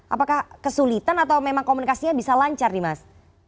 apakah kesulitan atau memang komunikasinya bisa lancar dimas